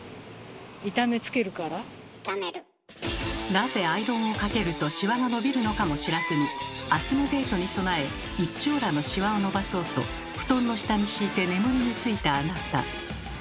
なぜアイロンをかけるとシワが伸びるのかも知らずに明日のデートに備え一張羅のシワを伸ばそうと布団の下に敷いて眠りについたあなた。